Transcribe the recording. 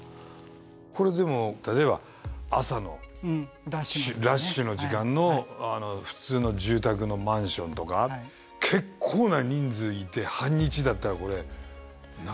これでも例えば朝のラッシュの時間の普通の住宅のマンションとか結構な人数いて半日だったらこれなかなか大変ですよね。